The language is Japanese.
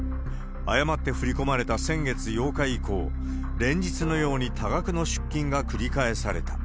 誤って振り込まれた先月８日以降、連日のように多額の出金が繰り返された。